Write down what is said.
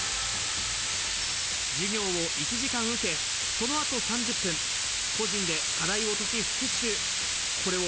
授業を１時間受け、その後３０分、個人で課題を解き、復習。